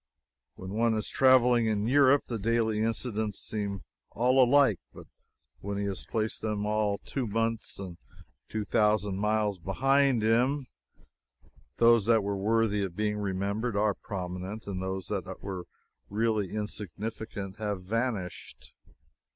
When one is traveling in Europe, the daily incidents seem all alike; but when he has placed them all two months and two thousand miles behind him, those that were worthy of being remembered are prominent, and those that were really insignificant have vanished.